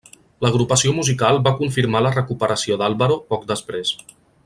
L'agrupació musical va confirmar la recuperació d'Álvaro poc després.